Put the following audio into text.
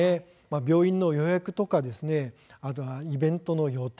病院の予約、イベントの予定